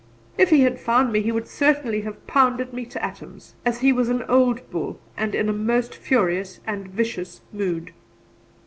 If he had found me he would certainly have pounded me to atoms, as he was an old bull and in a most furious and vicious mood.